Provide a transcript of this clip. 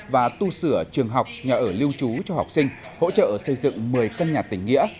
và tu sửa trường học nhà ở lưu trú cho học sinh hỗ trợ xây dựng một mươi căn nhà tỉnh nghĩa